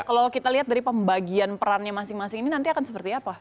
kalau kita lihat dari pembagian perannya masing masing ini nanti akan seperti apa